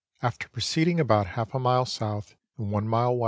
After proceeding about half a mile S. and one mile W.